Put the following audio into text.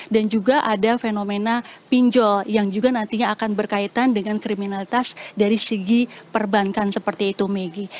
dan juga ada fenomena pinjol yang juga nantinya akan berkaitan dengan kriminalitas dari segi perbankan seperti itu megi